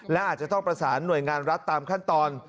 และอาจจะต้องประสานหน่วยงานรัฐตามขั้นตอน